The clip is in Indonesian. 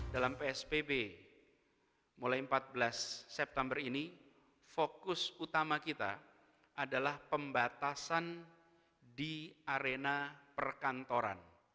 dalam psbb mulai empat belas september ini fokus utama kita adalah pembatasan di arena perkantoran